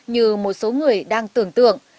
như một số người đang tưởng tượng